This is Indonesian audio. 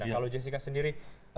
kalau jessica sendiri